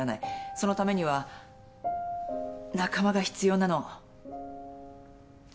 そのためには仲間が必要なの。